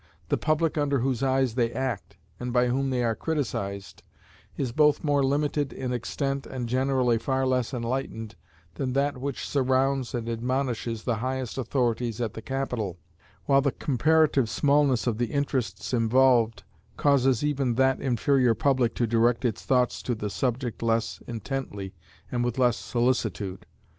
The public under whose eyes they act, and by whom they are criticized, is both more limited in extent and generally far less enlightened than that which surrounds and admonishes the highest authorities at the capital, while the comparative smallness of the interests involved causes even that inferior public to direct its thoughts to the subject less intently and with less solicitude.